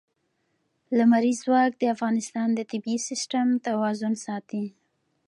لمریز ځواک د افغانستان د طبعي سیسټم توازن ساتي.